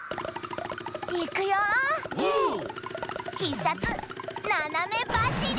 「ひっさつななめばしり」！